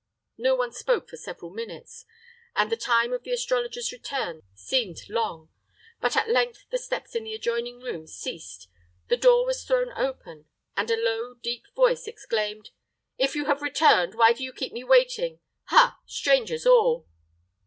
No one spoke for several minutes, and the time of the astrologer's return seemed long; but at length the steps in the adjoining room ceased, the door was thrown open, and a low, deep voice exclaimed, "If you have returned, why do you keep me waiting? Ha! strangers all!"